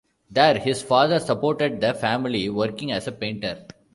There his father supported the family working as a painter.